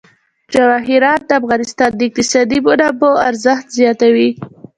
جواهرات د افغانستان د اقتصادي منابعو ارزښت زیاتوي.